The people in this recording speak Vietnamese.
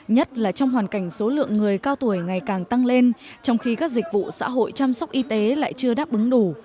nhất là trong hoàn cảnh số lượng người cao tuổi ngày càng tăng lên trong khi các dịch vụ xã hội chăm sóc y tế lại chưa đáp ứng đủ